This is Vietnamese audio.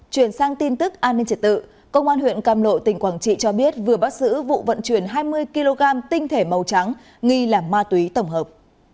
chuyển sang tin tức an ninh trật tự công an huyện càm lộ tỉnh quảng trị cho biết vừa bắt giữ vụ vận chuyển hai mươi kg tinh thể màu trắng nghi là ma túy tổng hợp